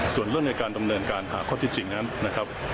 ส่วนเรื่องของการดำเนินการหาข้อเท็จจริงนะครับ